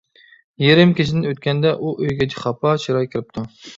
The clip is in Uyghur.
يېرىم كېچىدىن ئۆتكەندە، ئۇ ئۆيگە خاپا چىراي كىرىپتۇ.